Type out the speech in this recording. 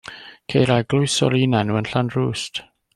Ceir eglwys o'r un enw yn Llanrwst.